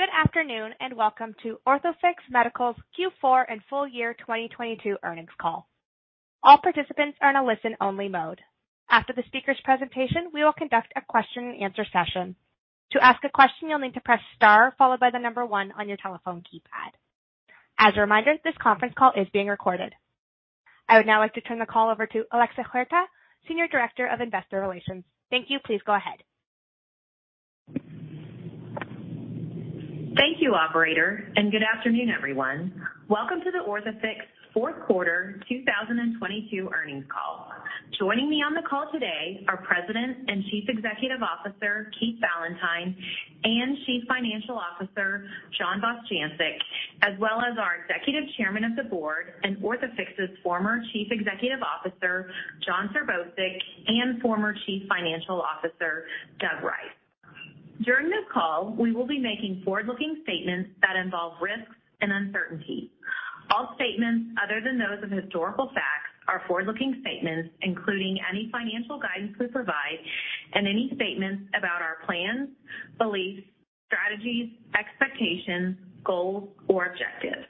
Good afternoon, and welcome to Orthofix Medical's Q4 and full year 2022 earnings call. All participants are in a listen-only mode. After the speaker's presentation, we will conduct a question-and-answer session. To ask a question, you'll need to press star followed by the number one on your telephone keypad. As a reminder, this conference call is being recorded. I would now like to turn the call over to Alexa Huerta, Senior Director of Investor Relations. Thank you. Please go ahead. Thank you, operator. Good afternoon, everyone. Welcome to the Orthofix fourth quarter 2022 earnings call. Joining me on the call today are President and Chief Executive Officer, Keith Valentine, and Chief Financial Officer, John Bostjancic, as well as our Executive Chairman of the Board and Orthofix's former Chief Executive Officer, Jon Serbousek, and former Chief Financial Officer, Doug Rice. During this call, we will be making forward-looking statements that involve risks and uncertainty. All statements other than those of historical facts are forward-looking statements, including any financial guidance we provide and any statements about our plans, beliefs, strategies, expectations, goals, or objectives.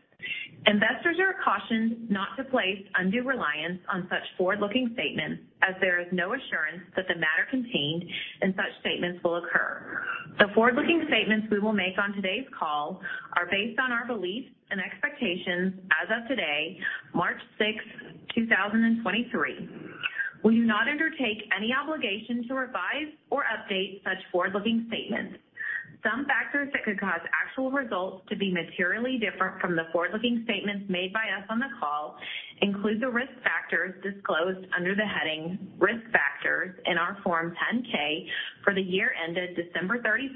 Investors are cautioned not to place undue reliance on such forward-looking statements as there is no assurance that the matter contained in such statements will occur. The forward-looking statements we will make on today's call are based on our beliefs and expectations as of today, March 6, 2023. We do not undertake any obligation to revise or update such forward-looking statements. Some factors that could cause actual results to be materially different from the forward-looking statements made by us on the call include the risk factors disclosed under the heading Risk Factors in our Form 10-K for the year ended December 31,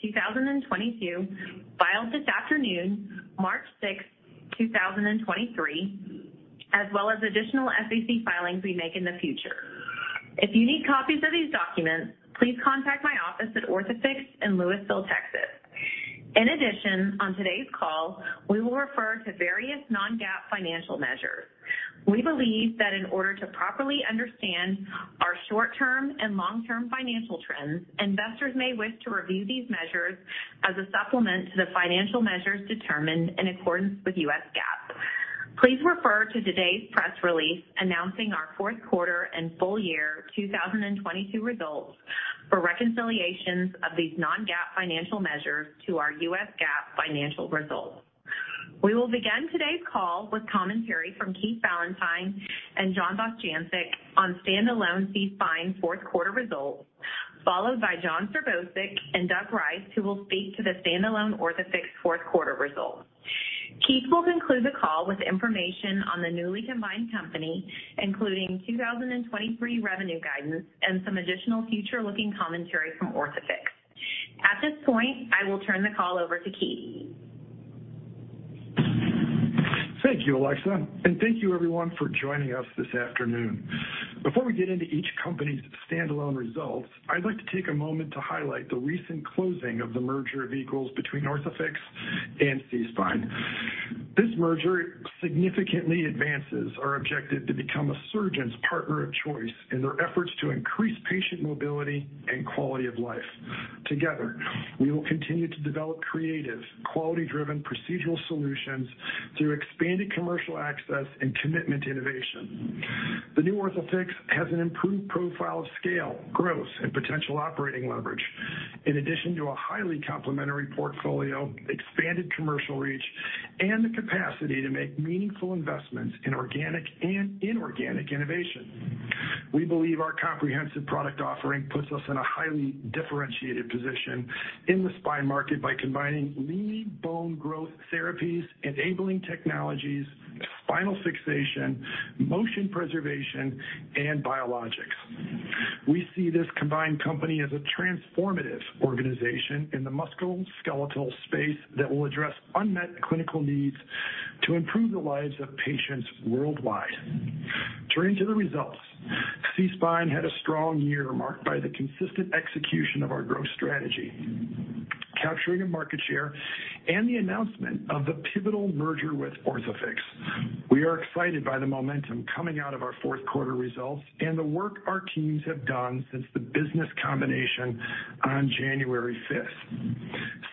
2022, filed this afternoon, March 6, 2023, as well as additional SEC filings we make in the future. If you need copies of these documents, please contact my office at Orthofix in Lewisville, Texas. On today's call, we will refer to various non-GAAP financial measures. We believe that in order to properly understand our short-term and long-term financial trends, investors may wish to review these measures as a supplement to the financial measures determined in accordance with U.S. GAAP. Please refer to today's press release announcing our fourth quarter and full year 2022 results for reconciliations of these non-GAAP financial measures to our U.S. GAAP financial results. We will begin today's call with commentary from Keith Valentine and John Bostjancic on standalone SeaSpine fourth quarter results, followed by Jon Serbousek and Doug Rice, who will speak to the standalone Orthofix fourth quarter results. Keith will conclude the call with information on the newly combined company, including 2023 revenue guidance and some additional future-looking commentary from Orthofix. At this point, I will turn the call over to Keith. Thank you, Alexa. Thank you everyone for joining us this afternoon. Before we get into each company's standalone results, I'd like to take a moment to highlight the recent closing of the merger of equals between Orthofix and SeaSpine. This merger significantly advances our objective to become a surgeon's partner of choice in their efforts to increase patient mobility and quality of life. Together, we will continue to develop creative, quality-driven procedural solutions through expanded commercial access and commitment to innovation. The new Orthofix has an improved profile of scale, growth and potential operating leverage. In addition to a highly complementary portfolio, expanded commercial reach, and the capacity to make meaningful investments in organic and inorganic innovation. We believe our comprehensive product offering puts us in a highly differentiated position in the spine market by combining lead bone growth therapies, Enabling Technologies, spinal fixation, motion preservation, and biologics. We see this combined company as a transformative organization in the musculoskeletal space that will address unmet clinical needs to improve the lives of patients worldwide. Turning to the results, SeaSpine had a strong year marked by the consistent execution of our growth strategy, capturing of market share, and the announcement of the pivotal merger with Orthofix. We are excited by the momentum coming out of our fourth quarter results and the work our teams have done since the business combination on January 5th.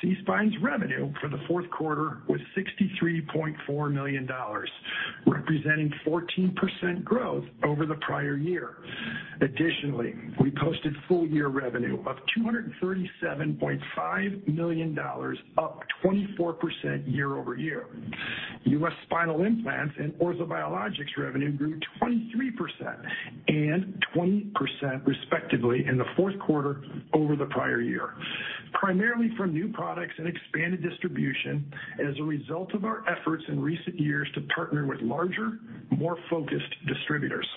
SeaSpine's revenue for the fourth quarter was $63.4 million, representing 14% growth over the prior year. Additionally, we posted full year revenue of $237.5 million, up 24% year-over-year. U.S. spinal implants and Orthobiologics revenue grew 23% and 20% respectively in the fourth quarter over the prior year, primarily from new products and expanded distribution as a result of our efforts in recent years to partner with larger, more focused distributors.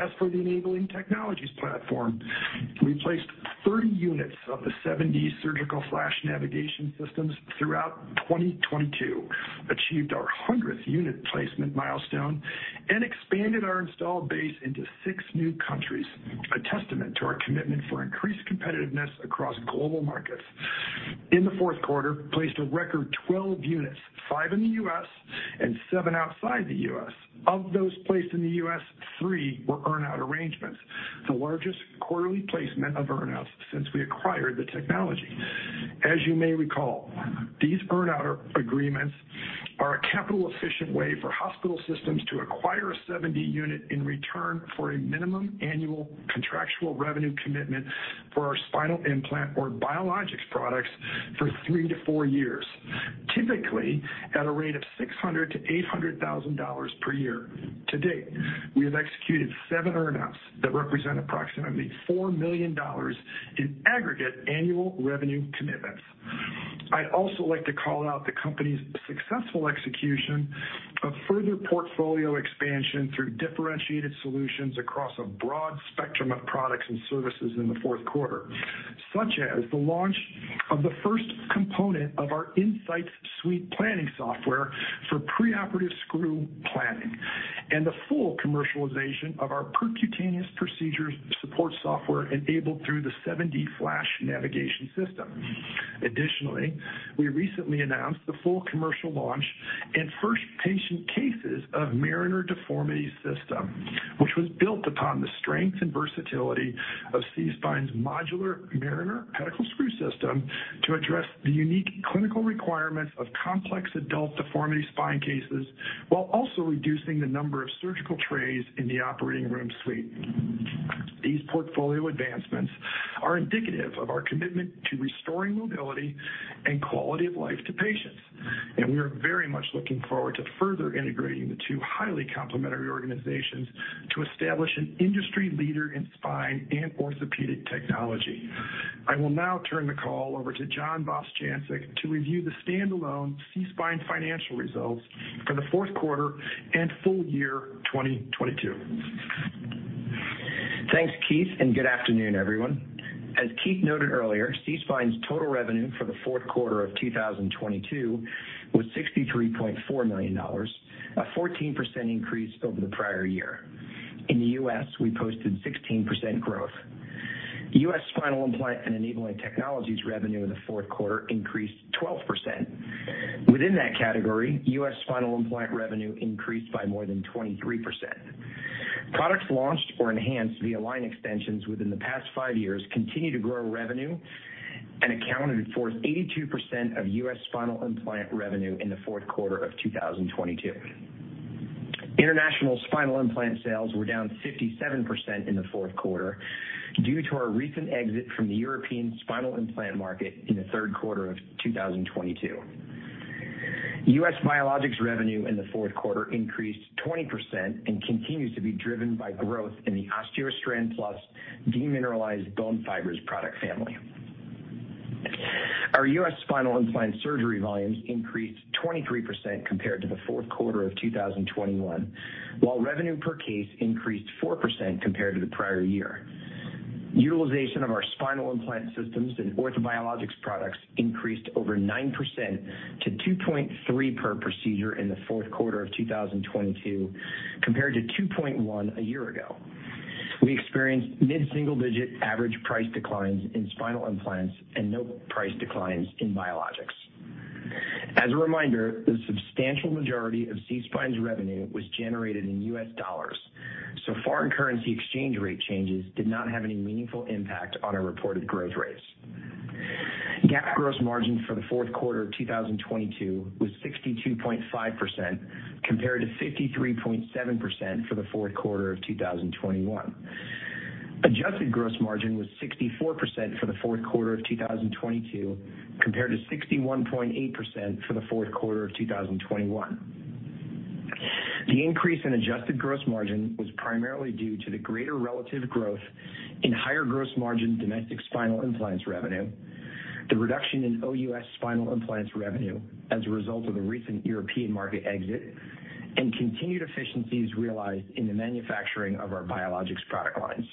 As for the Enabling Technologies platform, we placed 30 units of the 7D FLASH Navigation System throughout 2022, achieved our 100th unit placement milestone and expanded our installed base into 6 new countries, a testament to our commitment for increased competitiveness across global markets. In the fourth quarter, placed a record 12 units, 5 in the U.S. and 7 outside the U.S. Of those placed in the U.S., 3 were earn-out arrangements, the largest quarterly placement of earn-outs since we acquired the technology. As you may recall, these earn-out agreements are a capital efficient way for hospital systems to acquire a 7D unit in return for a minimum annual contractual revenue commitment for our spinal implant or biologics products for 3 to 4 years, typically at a rate of $600,000-$800,000 per year. To date, we have executed seven earnouts that represent approximately $4 million in aggregate annual revenue commitments. I'd also like to call out the company's successful execution of further portfolio expansion through differentiated solutions across a broad spectrum of products and services in the fourth quarter, such as the launch of the first component of our Insights suite planning software for preoperative screw planning and the full commercialization of our percutaneous procedures support software enabled through the 7D FLASH Navigation System. We recently announced the full commercial launch and first patient cases of Mariner Deformity System, which was built upon the strength and versatility of SeaSpine's modular Mariner pedicle screw system to address the unique clinical requirements of complex adult deformity spine cases, while also reducing the number of surgical trays in the operating room suite. These portfolio advancements are indicative of our commitment to restoring mobility and quality of life to patients, we are very much looking forward to further integrating the two highly complementary organizations to establish an industry leader in spine and orthopedic technology. I will now turn the call over to John Bostjancic to review the standalone SeaSpine financial results for the fourth quarter and full year 2022. Thanks, Keith. Good afternoon, everyone. As Keith noted earlier, SeaSpine's total revenue for the fourth quarter of 2022 was $63.4 million, a 14% increase over the prior year. In the U.S., we posted 16% growth. U.S. spinal implant and Enabling Technologies revenue in the fourth quarter increased 12%. Within that category, U.S. spinal implant revenue increased by more than 23%. Products launched or enhanced via line extensions within the past five years continue to grow revenue and accounted for 82% of U.S. spinal implant revenue in the fourth quarter of 2022. International spinal implant sales were down 57% in the fourth quarter due to our recent exit from the European spinal implant market in the third quarter of 2022. U.S. biologics revenue in the fourth quarter increased 20% and continues to be driven by growth in the OsteoStrand Plus demineralized bone fibers product family. Our U.S. spinal implant surgery volumes increased 23% compared to the fourth quarter of 2021, while revenue per case increased 4% compared to the prior year. Utilization of our spinal implant systems and Orthobiologics products increased over 9% to 2.3 per procedure in the fourth quarter of 2022 compared to 2.1 a year ago. We experienced mid-single-digit average price declines in spinal implants and no price declines in biologics. As a reminder, the substantial majority of SeaSpine's revenue was generated in U.S. dollars, so foreign currency exchange rate changes did not have any meaningful impact on our reported growth rates. GAAP gross margin for the fourth quarter of 2022 was 62.5% compared to 53.7% for the fourth quarter of 2021. Adjusted gross margin was 64% for the fourth quarter of 2022 compared to 61.8% for the fourth quarter of 2021. The increase in adjusted gross margin was primarily due to the greater relative growth in higher gross margin domestic spinal implants revenue, the reduction in OUS spinal implants revenue as a result of the recent European market exit, and continued efficiencies realized in the manufacturing of our biologics product lines.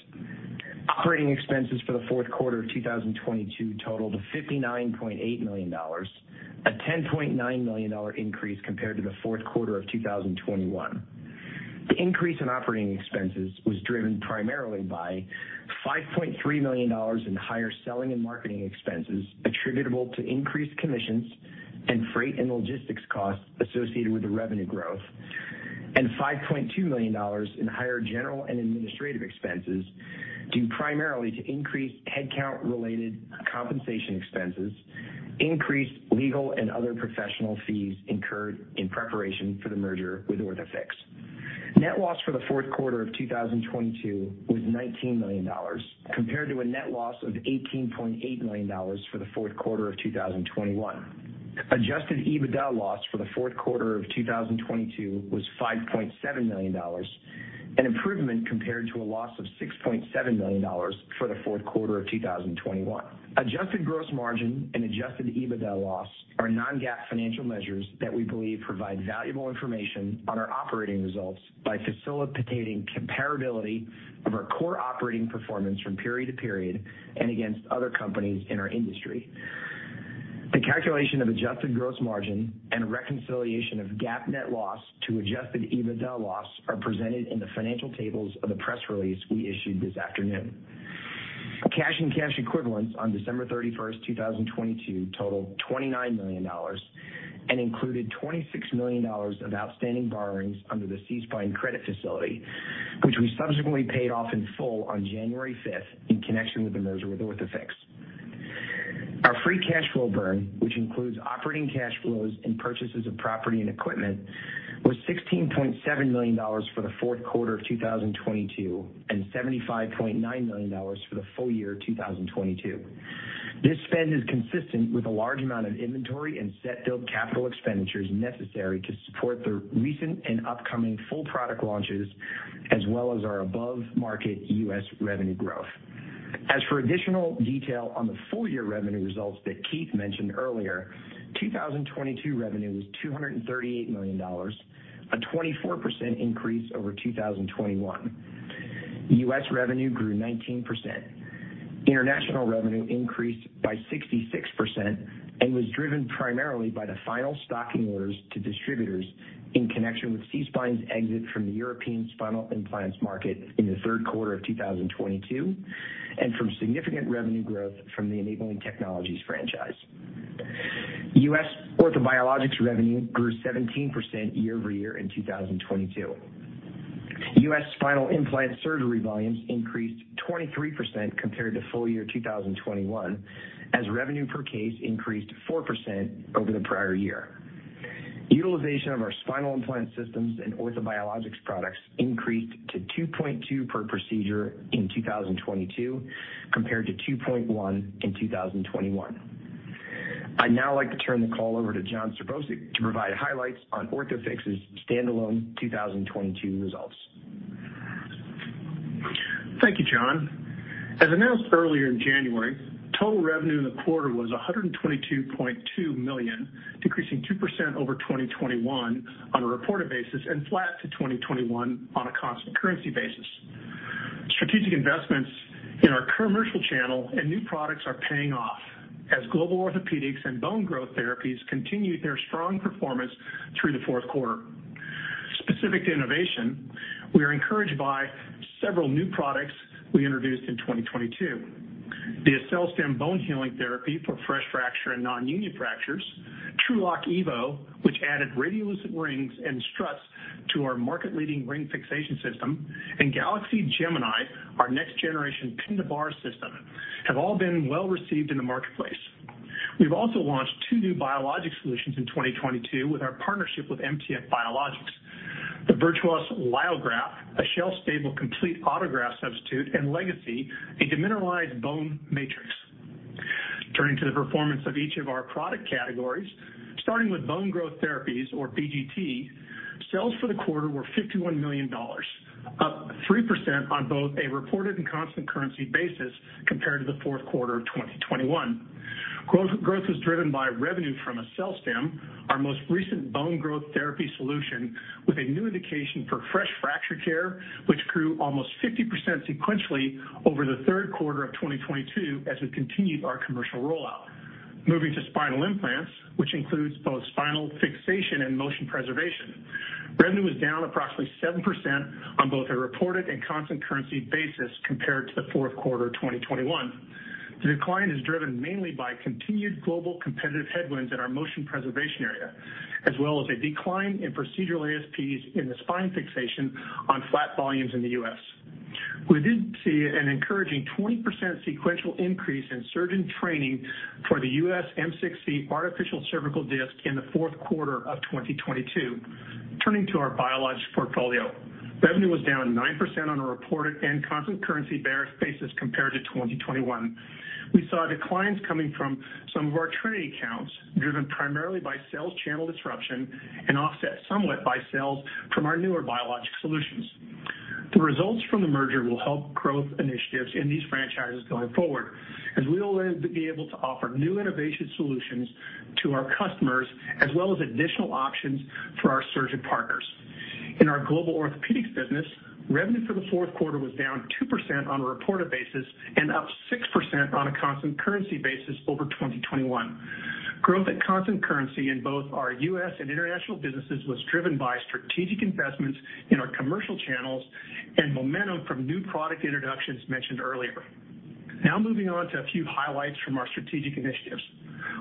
Operating expenses for the fourth quarter of 2022 totaled $59.8 million, a $10.9 million increase compared to the fourth quarter of 2021. The increase in operating expenses was driven primarily by $5.3 million in higher selling and marketing expenses attributable to increased commissions and freight and logistics costs associated with the revenue growth, and $5.2 million in higher general and administrative expenses, due primarily to increased headcount-related compensation expenses, increased legal and other professional fees incurred in preparation for the merger with Orthofix. Net loss for the fourth quarter of 2022 was $19 million, compared to a net loss of $18.8 million for the fourth quarter of 2021. Adjusted EBITDA loss for the fourth quarter of 2022 was $5.7 million, an improvement compared to a loss of $6.7 million for the fourth quarter of 2021. Adjusted Gross Margin and Adjusted EBITDA loss are non-GAAP financial measures that we believe provide valuable information on our operating results by facilitating comparability of our core operating performance from period to period and against other companies in our industry. The calculation of Adjusted Gross Margin and reconciliation of GAAP Net Loss to Adjusted EBITDA loss are presented in the financial tables of the press release we issued this afternoon. Cash and cash equivalents on December 31, 2022 totaled $29 million and included $26 million of outstanding borrowings under the SeaSpine credit facility, which we subsequently paid off in full on January 5 in connection with the merger with Orthofix. Our free cash flow burn, which includes operating cash flows and purchases of property and equipment, was $16.7 million for the fourth quarter of 2022 and $75.9 million for the full year of 2022. This spend is consistent with a large amount of inventory and set build capital expenditures necessary to support the recent and upcoming full product launches, as well as our above-market U.S. revenue growth. As for additional detail on the full year revenue results that Keith Valentine mentioned earlier, 2022 revenue was $238 million, a 24% increase over 2021. U.S. revenue grew 19%. International revenue increased by 66% and was driven primarily by the final stocking orders to distributors in connection with SeaSpine's exit from the European spinal implants market in the third quarter of 2022, and from significant revenue growth from the Enabling Technologies franchise. U.S. Orthobiologics revenue grew 17% year-over-year in 2022. U.S. spinal implant surgery volumes increased 23% compared to full year 2021 as revenue per case increased 4% over the prior year. Utilization of our spinal implant systems and Orthobiologics products increased to 2.2 per procedure in 2022 compared to 2.1 in 2021. I'd now like to turn the call over to Jon Serbousek to provide highlights on Orthofix's standalone 2022 results. Thank you, John. As announced earlier in January, total revenue in the quarter was $122.2 million, decreasing 2% over 2021 on a reported basis and flat to 2021 on a constant currency basis. Strategic investments in our commercial channel and new products are paying off as global orthopedics and bone growth therapies continued their strong performance through the fourth quarter. Specific to innovation, we are encouraged by several new products we introduced in 2022. The AccelStim bone healing therapy for fresh fracture and nonunion fractures, TrueLok EVO, which added radiolucent rings and struts to our market-leading ring fixation system, and Galaxy Gemini, our next-generation pin-to-bar system, have all been well received in the marketplace. We've also launched two new biologic solutions in 2022 with our partnership with MTF Biologics. The Virtuos Allograft, a shelf-stable complete autograft substitute, and Legacy, a demineralized bone matrix. Turning to the performance of each of our product categories, starting with Bone Growth Therapies or BGT, sales for the quarter were $51 million, up 3% on both a reported and constant currency basis compared to the fourth quarter of 2021. Growth was driven by revenue from AccelStim, our most recent bone growth therapy solution with a new indication for fresh fracture care, which grew almost 50% sequentially over the third quarter of 2022 as we continued our commercial rollout. Moving to Spinal Implants, which includes both spinal fixation and motion preservation. Revenue was down approximately 7% on both a reported and constant currency basis compared to the fourth quarter of 2021. The decline is driven mainly by continued global competitive headwinds in our motion preservation area, as well as a decline in procedural ASPs in the spine fixation on flat volumes in the US. We did see an encouraging 20% sequential increase in surgeon training for the US M6-C artificial cervical disc in the fourth quarter of 2022. Turning to our biologics portfolio. Revenue was down 9% on a reported and constant currency basis compared to 2021. We saw declines coming from some of our Trinity accounts, driven primarily by sales channel disruption and offset somewhat by sales from our newer biologic solutions. The results from the merger will help growth initiatives in these franchises going forward, as we will be able to offer new innovation solutions to our customers as well as additional options for our surgeon partners. In our global orthopedics business, revenue for the fourth quarter was down 2% on a reported basis and up 6% on a constant currency basis over 2021. Growth at constant currency in both our U.S. and international businesses was driven by strategic investments in our commercial channels and momentum from new product introductions mentioned earlier. Moving on to a few highlights from our strategic initiatives.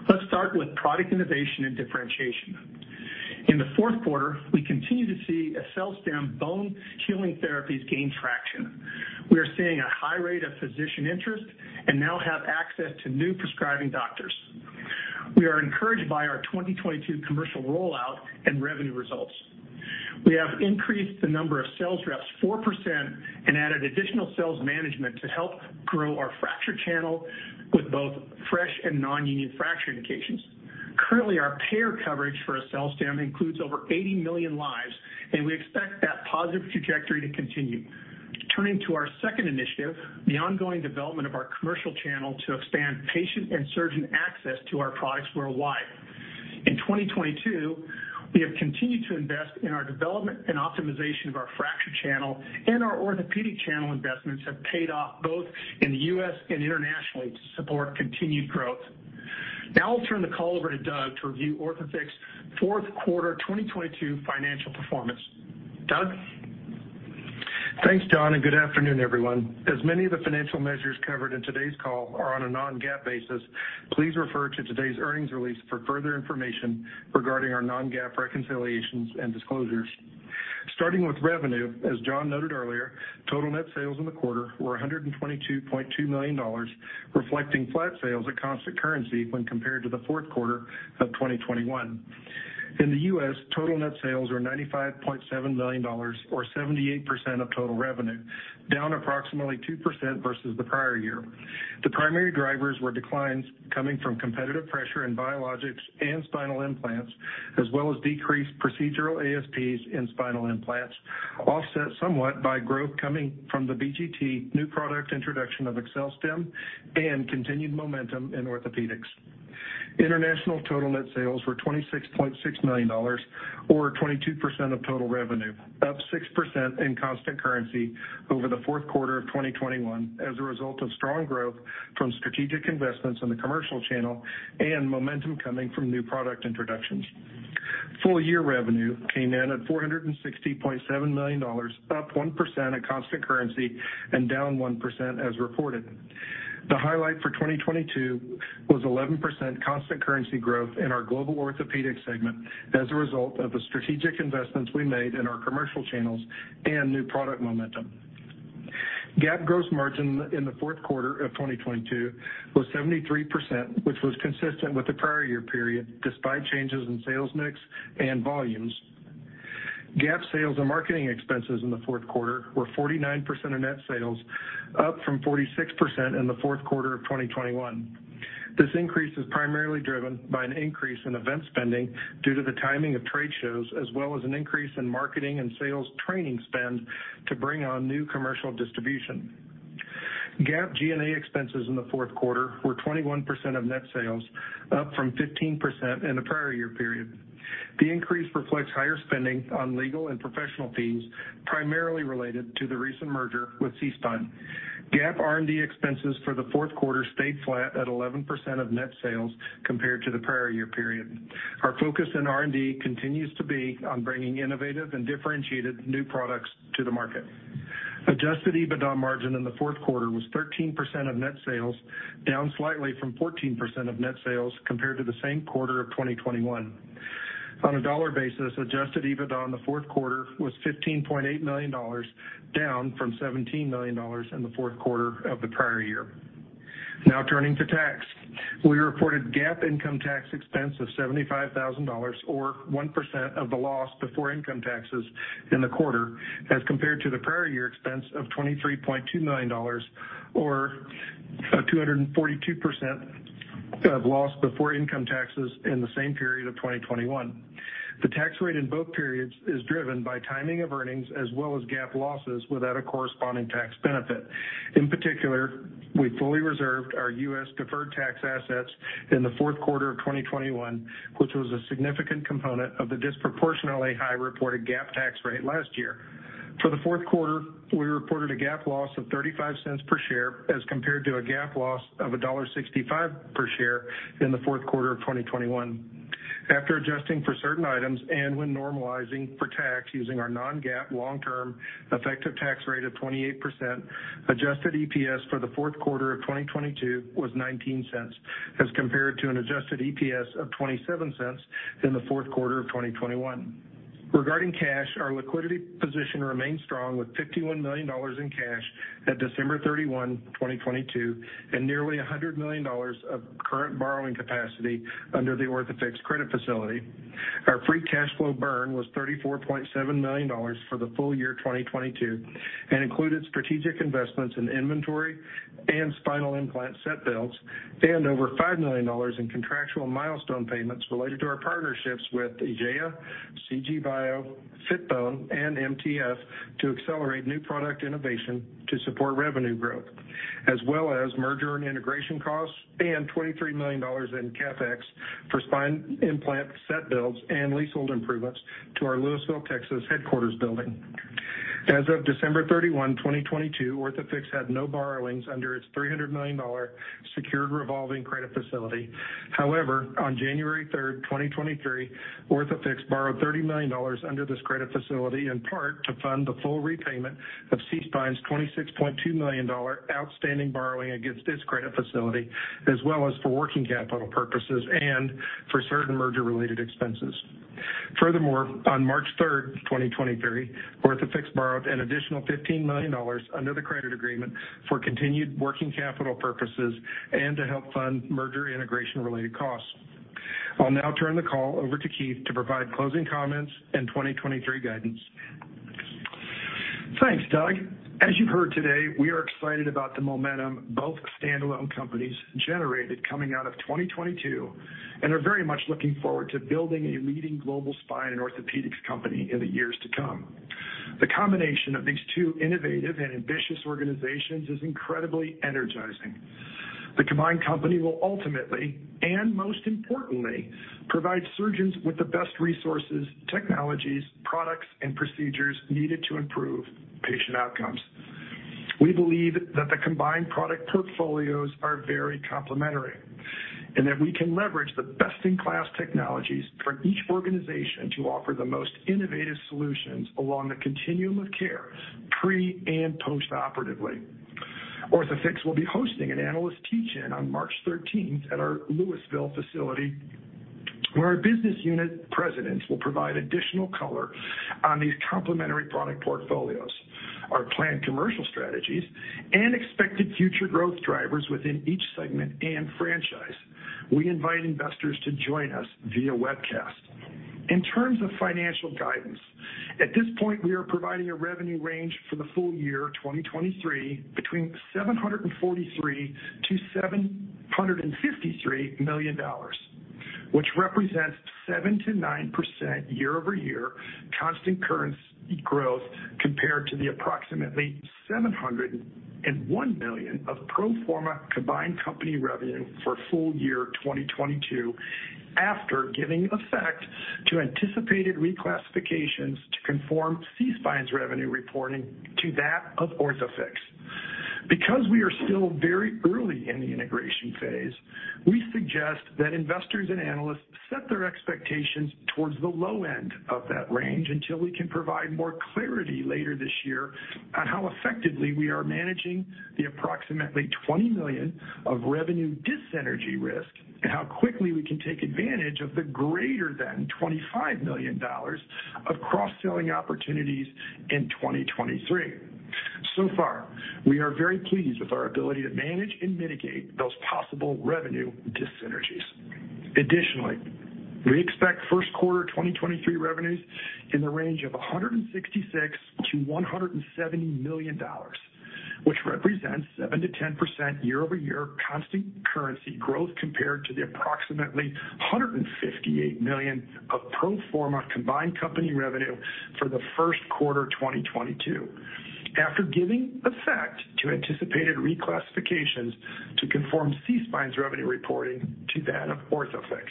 Let's start with product innovation and differentiation. In the fourth quarter, we continue to see AccelStim bone healing therapies gain traction. We are seeing a high rate of physician interest and now have access to new prescribing doctors. We are encouraged by our 2022 commercial rollout and revenue results. We have increased the number of sales reps 4% and added additional sales management to help grow our fracture channel with both fresh and nonunion fracture indications. Currently, our payer coverage for AccelStim includes over 80 million lives. We expect that positive trajectory to continue. Turning to our second initiative, the ongoing development of our commercial channel to expand patient and surgeon access to our products worldwide. In 2022, we have continued to invest in our development and optimization of our fracture channel. Our orthopedic channel investments have paid off both in the U.S. and internationally to support continued growth. Now I'll turn the call over to Doug to review Orthofix fourth quarter 2022 financial performance. Doug? Thanks, John, and good afternoon, everyone. As many of the financial measures covered in today's call are on a non-GAAP basis, please refer to today's earnings release for further information regarding our non-GAAP reconciliations and disclosures. Starting with revenue, as John noted earlier, total net sales in the quarter were $122.2 million, reflecting flat sales at constant currency when compared to the fourth quarter of 2021. In the U.S., total net sales are $95.7 million or 78% of total revenue, down approximately 2% versus the prior year. The primary drivers were declines coming from competitive pressure in biologics and spinal implants, as well as decreased procedural ASPs in spinal implants, offset somewhat by growth coming from the BGT new product introduction of AccelStim and continued momentum in orthopedics. International total net sales were $26.6 million or 22% of total revenue, up 6% in constant currency over the fourth quarter of 2021 as a result of strong growth from strategic investments in the commercial channel and momentum coming from new product introductions. Full year revenue came in at $460.7 million, up 1% at constant currency and down 1% as reported. The highlight for 2022 was 11% constant currency growth in our global orthopedic segment as a result of the strategic investments we made in our commercial channels and new product momentum. GAAP gross margin in the fourth quarter of 2022 was 73%, which was consistent with the prior year period despite changes in sales mix and volumes. GAAP sales and marketing expenses in the fourth quarter were 49% of net sales, up from 46% in the fourth quarter of 2021. This increase is primarily driven by an increase in event spending due to the timing of trade shows, as well as an increase in marketing and sales training spend to bring on new commercial distribution. GAAP G&A expenses in the fourth quarter were 21% of net sales, up from 15% in the prior year period. The increase reflects higher spending on legal and professional fees, primarily related to the recent merger with SeaSpine. GAAP R&D expenses for the fourth quarter stayed flat at 11% of net sales compared to the prior year period. Our focus in R&D continues to be on bringing innovative and differentiated new products to the market. Adjusted EBITDA margin in the fourth quarter was 13% of net sales, down slightly from 14% of net sales compared to the same quarter of 2021. On a dollar basis, Adjusted EBITDA in the fourth quarter was $15.8 million, down from $17 million in the fourth quarter of the prior year. Turning to tax. We reported GAAP income tax expense of $75,000 or 1% of the loss before income taxes in the quarter as compared to the prior year expense of $23.2 million or 242% of loss before income taxes in the same period of 2021. The tax rate in both periods is driven by timing of earnings as well as GAAP losses without a corresponding tax benefit. In particular, we fully reserved our U.S. deferred tax assets in the fourth quarter of 2021, which was a significant component of the disproportionately high reported GAAP tax rate last year. For the fourth quarter, we reported a GAAP loss of $0.35 per share as compared to a GAAP loss of $1.65 per share in the fourth quarter of 2021. After adjusting for certain items and when normalizing for tax using our non-GAAP long-term effective tax rate of 28%, Adjusted EPS for the fourth quarter of 2022 was $0.19 as compared to an Adjusted EPS of $0.27 in the fourth quarter of 2021. Regarding cash, our liquidity position remains strong with $51 million in cash at December 31, 2022, and nearly $100 million of current borrowing capacity under the Orthofix credit facility. Our free cash flow burn was $34.7 million for the full year of 2022 and included strategic investments in inventory and spinal implant set builds and over $5 million in contractual milestone payments related to our partnerships with IGEA, CGBio, Fitbone, and MTF to accelerate new product innovation to support revenue growth, as well as merger and integration costs and $23 million in CapEx for spine implant set builds and leasehold improvements to our Lewisville, Texas headquarters building. As of December 31, 2022, Orthofix had no borrowings under its $300 million secured revolving credit facility. On January 3, 2023, Orthofix borrowed $30 million under this credit facility, in part to fund the full repayment of SeaSpine's $26.2 million outstanding borrowing against its credit facility, as well as for working capital purposes and for certain merger-related expenses. On March 3, 2023, Orthofix borrowed an additional $15 million under the credit agreement for continued working capital purposes and to help fund merger integration-related costs. I'll now turn the call over to Keith to provide closing comments and 2023 guidance. Thanks, Doug. As you heard today, we are excited about the momentum both standalone companies generated coming out of 2022 and are very much looking forward to building a leading global spine and orthopedics company in the years to come. The combination of these two innovative and ambitious organizations is incredibly energizing. The combined company will ultimately, and most importantly, provide surgeons with the best resources, technologies, products, and procedures needed to improve patient outcomes. We believe that the combined product portfolios are very complementary and that we can leverage the best-in-class technologies for each organization to offer the most innovative solutions along the continuum of care, pre and postoperatively. Orthofix will be hosting an analyst teach-in on March thirteenth at our Lewisville facility, where our business unit presidents will provide additional color on these complementary product portfolios, our planned commercial strategies, and expected future growth drivers within each segment and franchise. We invite investors to join us via webcast. In terms of financial guidance, at this point, we are providing a revenue range for the full year 2023 between $743 million-$753 million, which represents 7%-9% year-over-year constant currency growth compared to the approximately $701 million of pro forma combined company revenue for full year 2022 after giving effect to anticipated reclassifications to conform SeaSpine's revenue reporting to that of Orthofix. Because we are still very early in the integration phase, we suggest that investors and analysts set their expectations towards the low end of that range until we can provide more clarity later this year on how effectively we are managing the approximately $20 million of revenue dis-synergy risk and how quickly we can take advantage of the greater than $25 million of cross-selling opportunities in 2023. So far, we are very pleased with our ability to manage and mitigate those possible revenue dis-synergies. Additionally, we expect first quarter 2023 revenues in the range of $166 million-$170 million, which represents 7%-10% year-over-year constant currency growth compared to the approximately $158 million of pro forma combined company revenue for the first quarter 2022. After giving effect to anticipated reclassifications to conform SeaSpine's revenue reporting to that of Orthofix.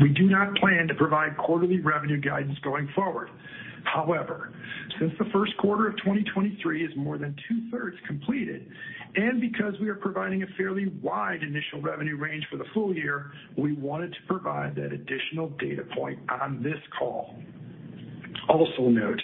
We do not plan to provide quarterly revenue guidance going forward. However, since the first quarter of 2023 is more than two-thirds completed, and because we are providing a fairly wide initial revenue range for the full year, we wanted to provide that additional data point on this call. Note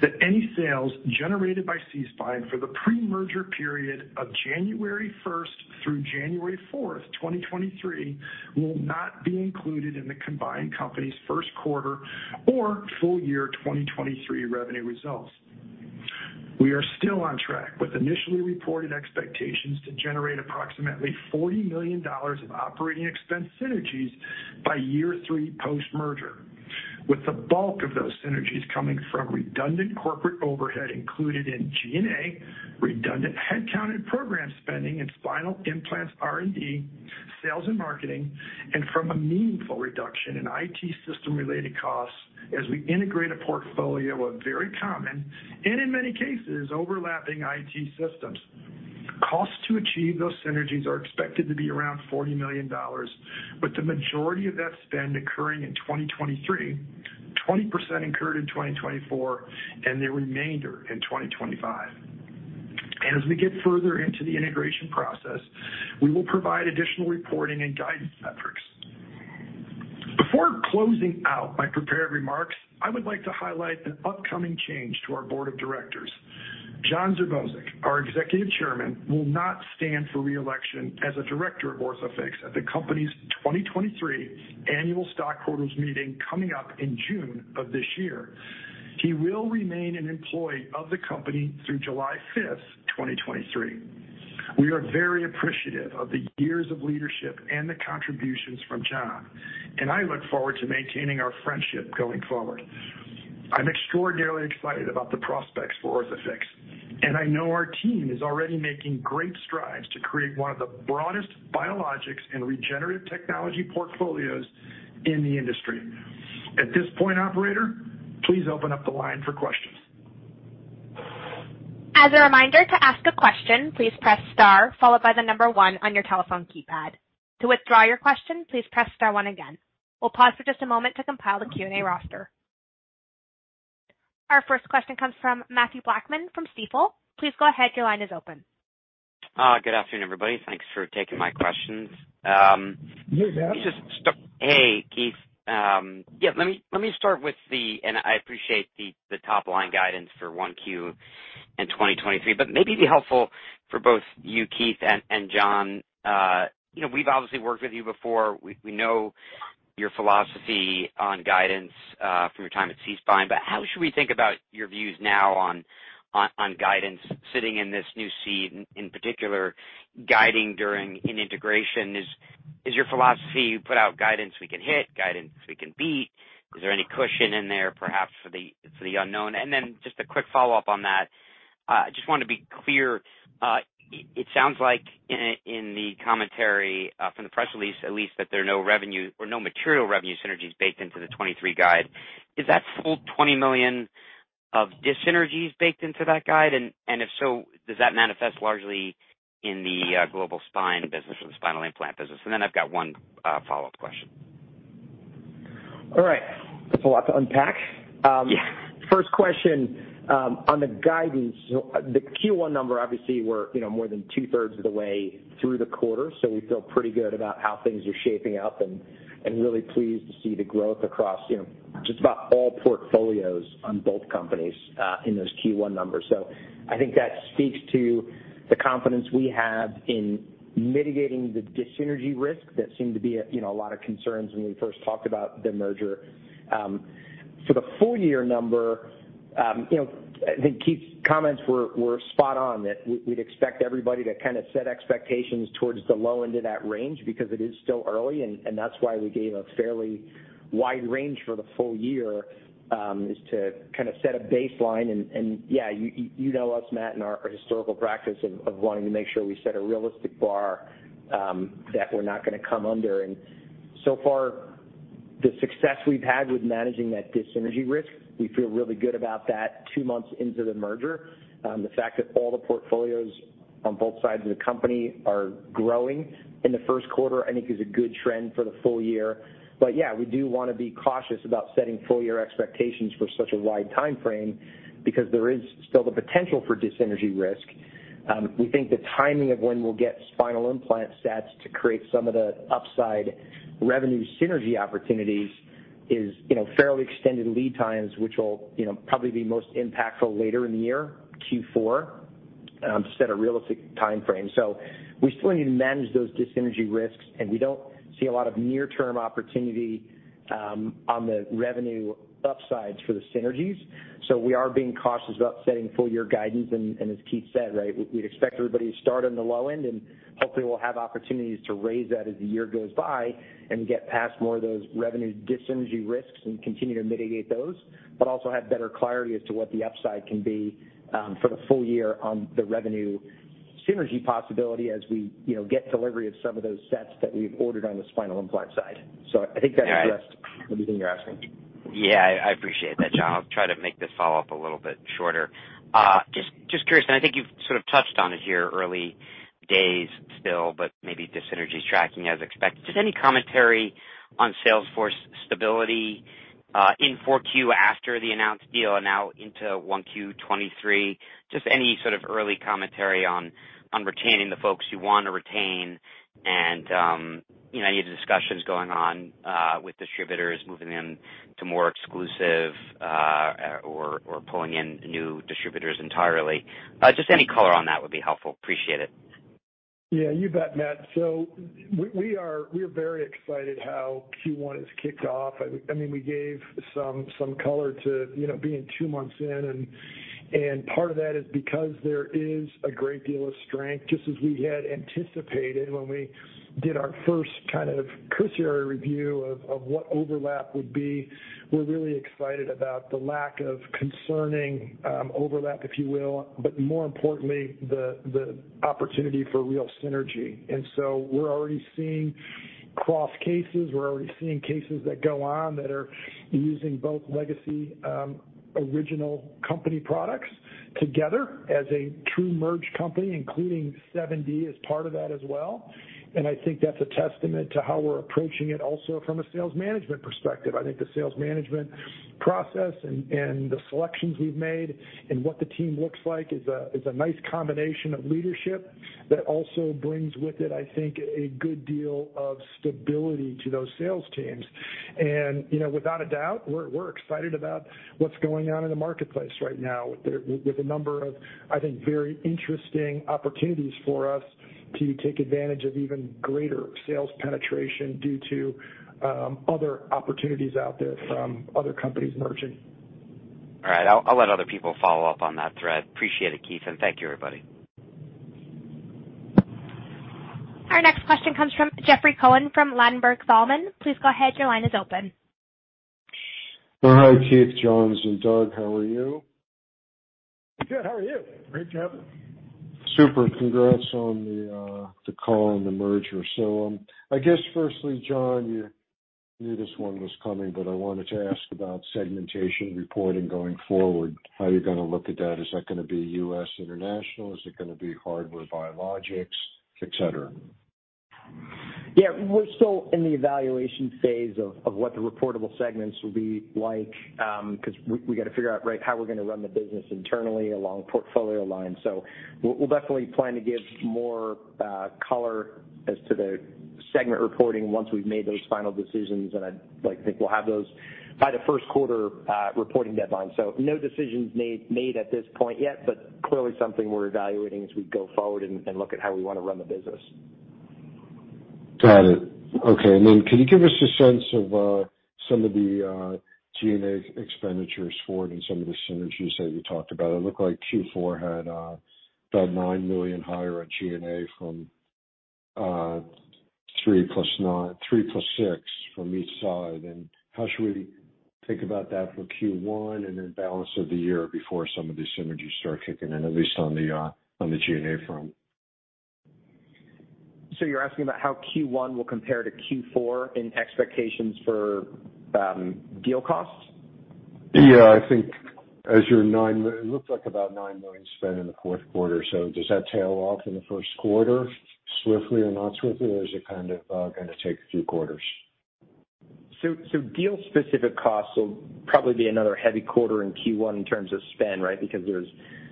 that any sales generated by SeaSpine for the pre-merger period of January 1st through January 4th, 2023 will not be included in the combined company's first quarter or full year 2023 revenue results. We are still on track with initially reported expectations to generate approximately $40 million of operating expense synergies by year 3 post-merger, with the bulk of those synergies coming from redundant corporate overhead included in G&A, redundant headcount and program spending in spinal implants R&D, sales and marketing, and from a meaningful reduction in IT system-related costs as we integrate a portfolio of very common and in many cases, overlapping IT systems. Costs to achieve those synergies are expected to be around $40 million, with the majority of that spend occurring in 2023, 20% incurred in 2024, and the remainder in 2025. As we get further into the integration process, we will provide additional reporting and guidance metrics. Before closing out my prepared remarks, I would like to highlight an upcoming change to our board of directors. Jon Serbousek, our Executive Chairman, will not stand for re-election as a director of Orthofix at the company's 2023 annual stockholders meeting coming up in June of this year. He will remain an employee of the company through July 5th, 2023. We are very appreciative of the years of leadership and the contributions from Jon, and I look forward to maintaining our friendship going forward. I'm extraordinarily excited about the prospects for Orthofix, and I know our team is already making great strides to create one of the broadest biologics and regenerative technology portfolios in the industry. At this point, operator, please open up the line for questions. As a reminder to ask a question, please press star followed by the number one on your telephone keypad. To withdraw your question, please press star one again. We'll pause for just a moment to compile the Q&A roster. Our first question comes from Matthew Blackman from Stifel. Please go ahead. Your line is open. Good afternoon, everybody. Thanks for taking my questions. You bet. Hey, Keith. Yeah, let me start with the I appreciate the top-line guidance for 1Q in 2023. Maybe it'd be helpful for both you, Keith, and John. You know, we've obviously worked with you before. We know your philosophy on guidance from your time at SeaSpine. How should we think about your views now on guidance sitting in this new seat, in particular, guiding during an integration? Is your philosophy put out guidance we can hit, guidance we can beat? Is there any cushion in there perhaps for the unknown? Just a quick follow-up on that. I just want to be clear. It sounds like in the commentary, from the press release, at least, that there are no revenue or no material revenue synergies baked into the 2023 guide. Is that full $20 million of dis-synergies baked into that guide? If so, does that manifest largely in the global spine business or the spinal implant business? I've got one follow-up question. All right. It's a lot to unpack. First question, on the guidance. The Q1 number, obviously we're, you know, more than two-thirds of the way through the quarter, we feel pretty good about how things are shaping up and really pleased to see the growth across, you know, just about all portfolios on both companies in those Q1 numbers. I think that speaks to the confidence we have in mitigating the dis-synergy risk that seemed to be at, you know, a lot of concerns when we first talked about the merger. For the full year number, you know, I think Keith's comments were spot on that we'd expect everybody to kind of set expectations towards the low end of that range because it is still early, and that's why we gave a fairly wide range for the full year is to kind of set a baseline. And yeah, you know us, Matt, and our historical practice of wanting to make sure we set a realistic bar that we're not gonna come under. So far, the success we've had with managing that dis-synergy risk, we feel really good about that 2 months into the merger. The fact that all the portfolios on both sides of the company are growing in the 1st quarter, I think is a good trend for the full year. Yeah, we do wanna be cautious about setting full year expectations for such a wide timeframe because there is still the potential for dis-synergy risk. We think the timing of when we'll get spinal implant stats to create some of the upside revenue synergy opportunities is, you know, fairly extended lead times, which will, you know, probably be most impactful later in the year, Q4, to set a realistic timeframe. We still need to manage those dis-synergy risks, and we don't see a lot of near-term opportunity on the revenue upsides for the synergies. We are being cautious about setting full year guidance and, as Keith said, right, we'd expect everybody to start on the low end, and hopefully we'll have opportunities to raise that as the year goes by and get past more of those revenue dis-synergy risks and continue to mitigate those, but also have better clarity as to what the upside can be, for the full year on the revenue synergy possibility as we, you know, get delivery of some of those sets that we've ordered on the spinal implant side. I think that addressed everything you're asking. Yeah, I appreciate that, John. I'll try to make this follow-up a little bit shorter. Just curious, and I think you've sort of touched on it here, early days still, but maybe dis-synergy is tracking as expected. Just any commentary on sales force stability in 4Q after the announced deal and now into 1Q 2023? Just any sort of early commentary on retaining the folks you wanna retain and, you know, any of the discussions going on with distributors moving in to more exclusive, or pulling in new distributors entirely. Just any color on that would be helpful. Appreciate it. Yeah, you bet, Matt. We are very excited how Q1 has kicked off. I mean, we gave some color to, you know, being two months in and part of that is because there is a great deal of strength, just as we had anticipated when we did our first kind of cursory review of what overlap would be. We're really excited about the lack of concerning overlap, if you will, but more importantly, the opportunity for real synergy. We're already seeing cross cases, we're already seeing cases that go on that are using both legacy original company products together as a true merged company, including 7D as part of that as well. I think that's a testament to how we're approaching it also from a sales management perspective. I think the sales management process and the selections we've made and what the team looks like is a nice combination of leadership that also brings with it, I think, a good deal of stability to those sales teams. You know, without a doubt, we're excited about what's going on in the marketplace right now with a number of, I think, very interesting opportunities for us to take advantage of even greater sales penetration due to other opportunities out there from other companies merging. All right. I'll let other people follow up on that thread. Appreciate it, Keith, and thank you, everybody. Our next question comes from Jeffrey Cohen from Ladenburg Thalmann. Please go ahead. Your line is open. Hi, Keith, John, and Doug. How are you? Good. How are you? Great, Jeff. Super. Congrats on the call and the merger. I guess firstly, John, you knew this one was coming, but I wanted to ask about segmentation reporting going forward, how you're gonna look at that. Is that gonna be U.S. international? Is it gonna be hardware, biologics, et cetera? Yeah. We're still in the evaluation phase of what the reportable segments will be like, 'cause we gotta figure out, right, how we're gonna run the business internally along portfolio lines. We'll definitely plan to give more color as to the segment reporting once we've made those final decisions. I like think we'll have those by the first quarter reporting deadline. No decisions made at this point yet, but clearly something we're evaluating as we go forward and look at how we wanna run the business. Got it. Okay. Can you give us a sense of some of the G&A expenditures forward and some of the synergies that you talked about? It looked like Q4 had about $9 million higher at G&A from three plus six from each side. How should we think about that for Q1 and then balance of the year before some of the synergies start kicking in, at least on the G&A front? You're asking about how Q1 will compare to Q4 in expectations for, deal costs? Yeah, I think it looks like about $9 million spent in the fourth quarter. Does that tail off in the first quarter swiftly or not swiftly, or is it kind of, gonna take a few quarters? Deal specific costs will probably be another heavy quarter in Q1 in terms of spend, right? Because there's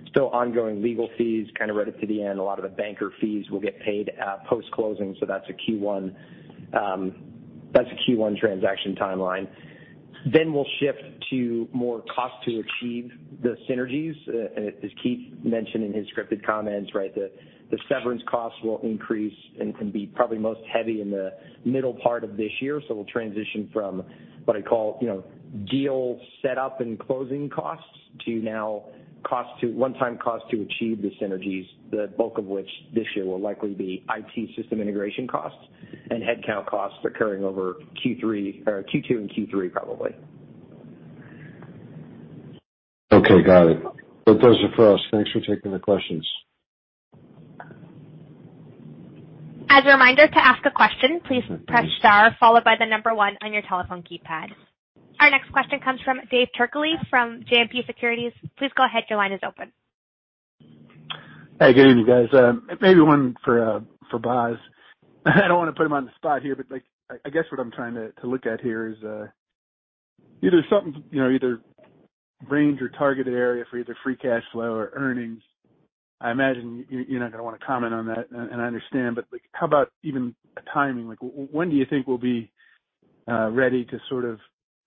still ongoing legal fees kind of right up to the end. A lot of the banker fees will get paid at post-closing, that's a Q1, that's a Q1 transaction timeline. We'll shift to more cost to achieve the synergies, as Keith mentioned in his scripted comments, right, the severance costs will increase and can be probably most heavy in the middle part of this year. We'll transition from what I call, you know, deal set up and closing costs to now costs to one-time costs to achieve the synergies, the bulk of which this year will likely be IT system integration costs and headcount costs occurring over Q3 or Q2 and Q3 probably. Okay, got it. That does it for us. Thanks for taking the questions. As a reminder to ask a question, please press star followed by the number one on your telephone keypad. Our next question comes from David Turkaly from JMP Securities. Please go ahead. Your line is open. Good evening, guys. Maybe one for Bost. I don't wanna put him on the spot here, but, like, I guess what I'm trying to look at here is, either something, you know, either range or targeted area for either free cash flow or earnings. I imagine you're not gonna wanna comment on that, and I understand, but, like, how about even a timing? When do you think we'll be ready to sort of,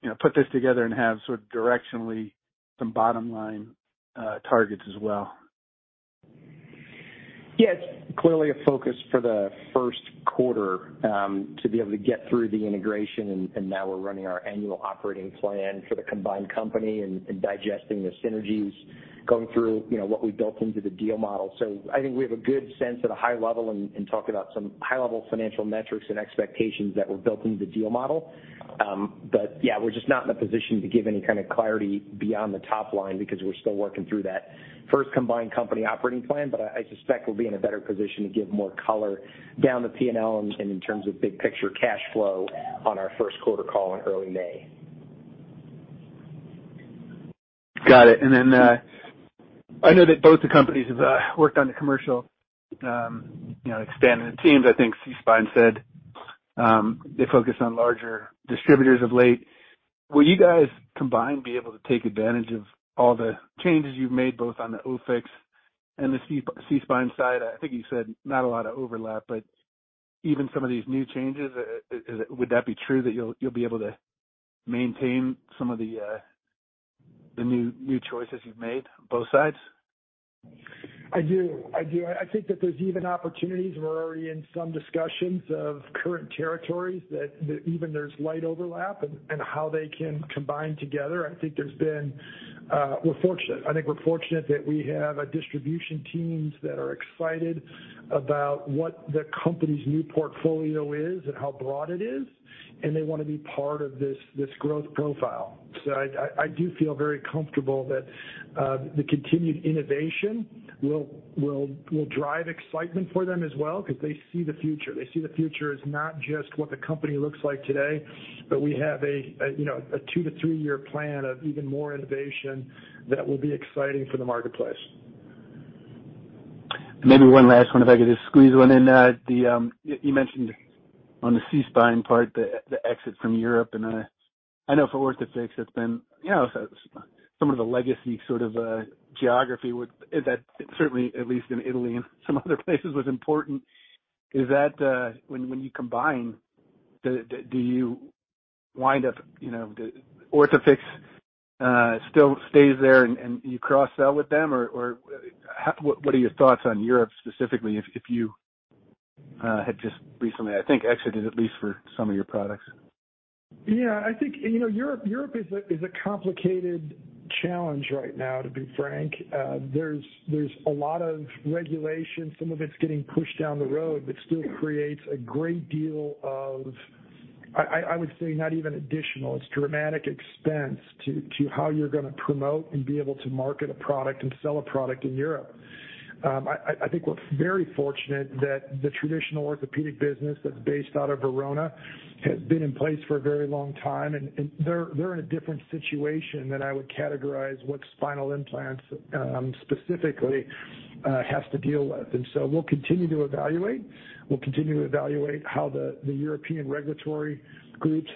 you know, put this together and have sort of directionally some bottom-line targets as well? Yeah, it's clearly a focus for the first quarter to be able to get through the integration, and now we're running our annual operating plan for the combined company and digesting the synergies, going through, you know, what we've built into the deal model. I think we have a good sense at a high level and talking about some high-level financial metrics and expectations that were built into the deal model. Yeah, we're just not in a position to give any kind of clarity beyond the top line because we're still working through that first combined company operating plan. I suspect we'll be in a better position to give more color down the P&L and in terms of big picture cash flow on our first quarter call in early May. Got it. I know that both the companies have worked on the commercial, you know, expanding the teams. I think SeaSpine said, they focus on larger distributors of late. Will you guys combined be able to take advantage of all the changes you've made both on the Orthofix and the SeaSpine side? I think you said not a lot of overlap, but even some of these new changes, would that be true that you'll be able to maintain some of the new choices you've made on both sides? I do. I do. I think that there's even opportunities, and we're already in some discussions of current territories that even there's light overlap and how they can combine together. I think there's been. We're fortunate. I think we're fortunate that we have a distribution teams that are excited about what the company's new portfolio is and how broad it is, and they wanna be part of this growth profile. I do feel very comfortable that the continued innovation will drive excitement for them as well because they see the future. They see the future as not just what the company looks like today, but we have a, you know, a 2 to 3-year plan of even more innovation that will be exciting for the marketplace. Maybe one last one if I could just squeeze one in. The, you mentioned on the SeaSpine part, the exit from Europe. I know for Orthofix it's been, you know, some of the legacy sort of geography that certainly at least in Italy and some other places was important. Is that when you combine, do you wind up, you know, Orthofix still stays there and you cross-sell with them or what are your thoughts on Europe specifically if you had just recently, I think, exited at least for some of your products? Yeah, I think, you know, Europe is a complicated challenge right now, to be frank. There's a lot of regulation. Some of it's getting pushed down the road, but still creates a great deal of, I would say, not even additional, it's dramatic expense to how you're gonna promote and be able to market a product and sell a product in Europe. I think we're very fortunate that the traditional orthopedic business that's based out of Verona has been in place for a very long time, and they're in a different situation than I would categorize what spinal implants specifically has to deal with. We'll continue to evaluate. We'll continue to evaluate how the European regulatory groups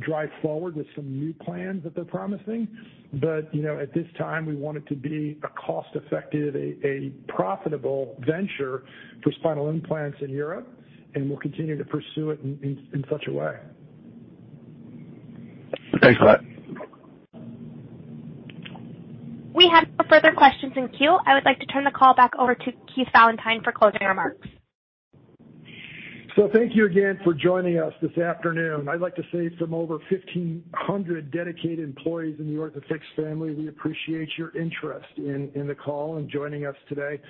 drive forward with some new plans that they're promising. You know, at this time, we want it to be a cost-effective, a profitable venture for spinal implants in Europe, and we'll continue to pursue it in such a way. Thanks for that. We have no further questions in queue. I would like to turn the call back over to Keith Valentine for closing remarks. Thank you again for joining us this afternoon. I'd like to say from over 1,500 dedicated employees in the Orthofix family, we appreciate your interest in the call and joining us today.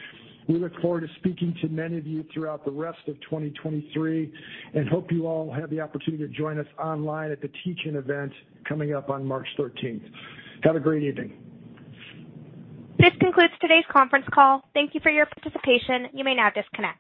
We look forward to speaking to many of you throughout the rest of 2023 and hope you all have the opportunity to join us online at the Teach-In event coming up on March 13th. Have a great evening. This concludes today's conference call. Thank you for your participation. You may now disconnect.